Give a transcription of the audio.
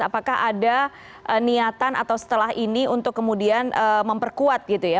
apakah ada niatan atau setelah ini untuk kemudian memperkuat gitu ya